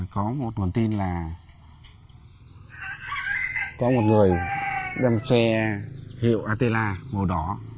có một nguồn tin là có một người đem xe hiệu atela màu đỏ